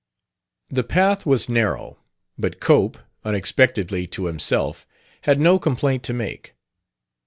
The path was narrow, but Cope, unexpectedly to himself, had no complaint to make.